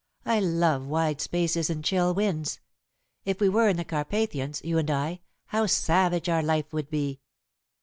I love wide spaces and chill winds. If we were in the Carpathians, you and I, how savage our life would be!"